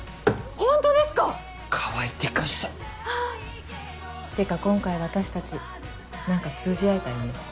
ホントですか⁉川合でかした！ってか今回私たち何か通じ合えたよね。